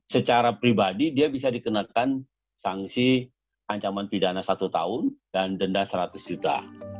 secara pribadi dia bisa dikenakan sanksi ancaman pidana satu tahun dan denda seratus juta